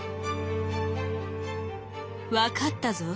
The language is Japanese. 「分かったぞ。